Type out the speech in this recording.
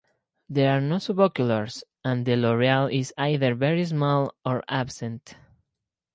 There are no suboculars, and the loreal is either very small or absent.